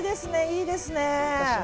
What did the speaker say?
いいですね。